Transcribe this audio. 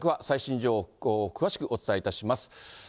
最新情報を詳しくお伝えいたします。